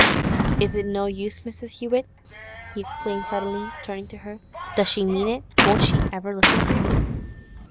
'Is it no use, Mrs. Hewett?' he exclaimed suddenly, turning to her. 'Does she mean it? Won't she ever listen to me?